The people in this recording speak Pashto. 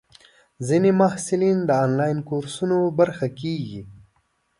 ځینې محصلین د انلاین کورسونو برخه کېږي.